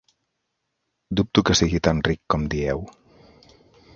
Dubto que sigui tan ric com dieu.